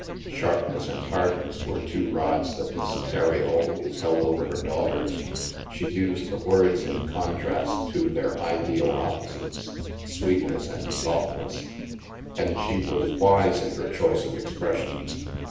" Sharpness " and " hardness " were two rods that Mrs. Terry always held over her daughters; she used the words in contrast to their ideal opposites, " sweetness " and softness." And she was wise in her choice of expressions.